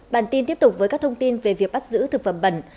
bản tin tiếp tục với các thông tin về việc bắt giữ thực phẩm bẩn